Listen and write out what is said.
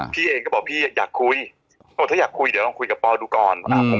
พี่เองก็บอกพี่อยากคุยถ้าอยากคุยเดี๋ยวลองคุยกับปอดูก่อน